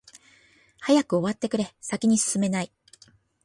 早く終わってくれ、先に進めない。